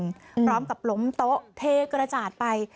พร้อมกับล้มโต๊ะเทกระจาดไป